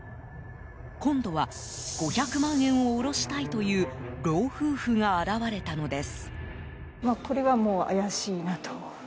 今度は５００万円を下ろしたいという老夫婦が現れたのです。